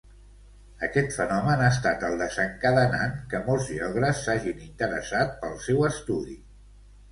Aquest fenomen ha estat el desencadenant que molts geògrafs s'hagin interessat pel seu estudi.